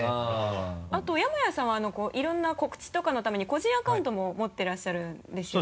あと山谷さんはいろんな告知とかのために個人アカウントも持ってらっしゃるんですよね？